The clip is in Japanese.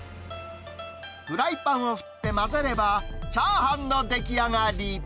フライパンを振って混ぜれば、チャーハンの出来上がり。